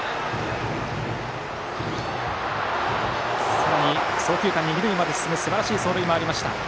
さらに送球間に、二塁まで進むすばらしい走塁がありました。